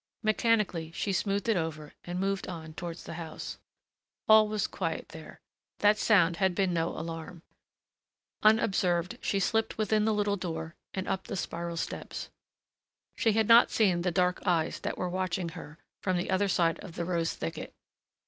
Mechanically she smoothed it over and moved on towards the house. All was quiet there. That sound had been no alarm. Unobserved she slipped within the little door, and up the spiral steps. She had not seen the dark eyes that were watching her, from the other side of the rose thicket.